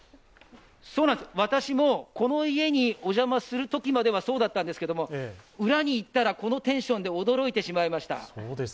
私も、この家にお邪魔するときまではそうだったんですけど、裏に行ったらこのテンションで驚いてしまいました。